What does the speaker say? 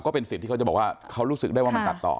เป็นสิทธิ์ที่เขาจะบอกว่าเขารู้สึกได้ว่ามันตัดต่อ